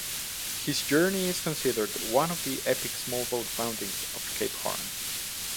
His journey is considered one of the epic small boat roundings of Cape Horn.